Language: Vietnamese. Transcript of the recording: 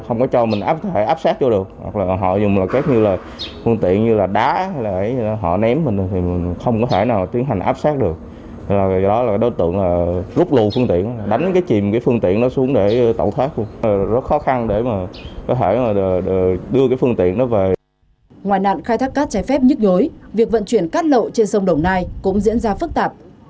ngoài nạn khai thác cắt trái phép nhức nhối việc vận chuyển cắt lậu trên sông đồng nai cũng diễn ra phức tạp